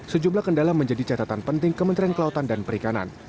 sejumlah kendala menjadi catatan penting kementerian kelautan dan perikanan